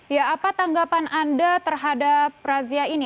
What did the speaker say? ya apa tanggapan anda terhadap razia ini